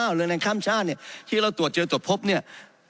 เรือแรงข้ามชาติเนี่ยที่เราตรวจเจอตรวจพบเนี่ย